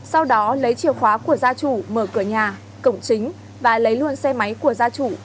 sau đó lấy chìa khóa của gia chủ mở cửa nhà cổng chính và lấy luôn xe máy của gia chủ